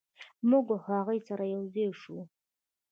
موږ او هغوی سره یو ځای شوو.